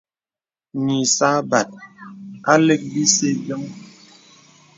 Yì sâbāt à lək bìsə bìoŋ.